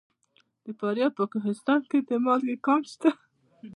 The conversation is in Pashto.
د فاریاب په کوهستان کې د مالګې کان شته.